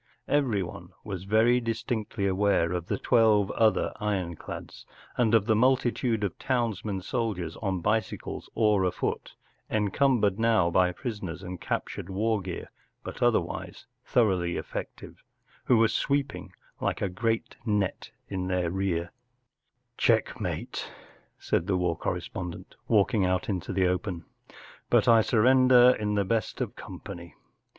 Everyone was very dis¬ tinctly aware of the twelve other ironclads, and of the multitude of townsmen sol¬ diers, on bicycles or afoot* encum¬ bered now by prisoners and captured war gear but other¬ wise thoroughly effective, who were sweeping like a great net in their rear, “ Checkmate,” said the war correspondent, walking out into the open. “ But I surrender in the best of company.